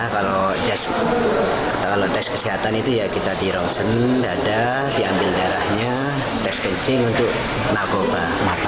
kalau tes kesehatan itu ya kita di rongsen dada diambil darahnya tes kencing untuk narkoba